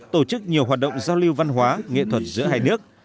tổ chức nhiều hoạt động giao lưu văn hóa nghệ thuật giữa hai nước